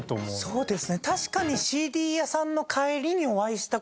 そうですね